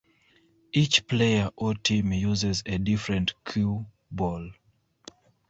Each player or team uses a different cue ball.